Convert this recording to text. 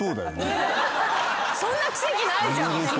そんな奇跡ないじゃん。